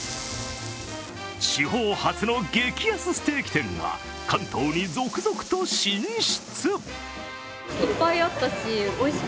地方発の激安ステーキ店が関東に続々と進出。